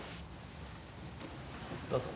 どうぞ。